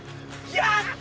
やった！